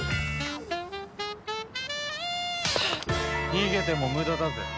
逃げても無駄だぜ。